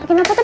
pakin apa tuh